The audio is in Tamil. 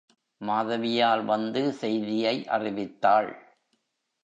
மாதவியால் வந்து செய்தியை அறிவித்தாள்.